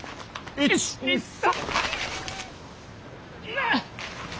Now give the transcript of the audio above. １２３。